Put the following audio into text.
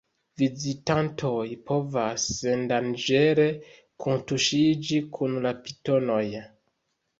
Vizitantoj povas sendanĝere kuntuŝiĝi kun la pitonoj.